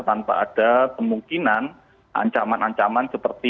tanpa ada kemungkinan ancaman ancaman seperti